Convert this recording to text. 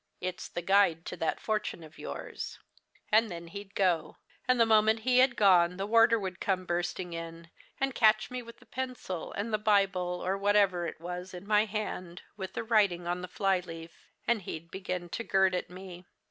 It's the guide to that fortune of yours.' "Then he'd go. And the moment he had gone the warder would come bursting in, and catch me with the pencil, and the Bible, or whatever it was, in my hand, with the writing on the flyleaf. And he'd begin to gird at me.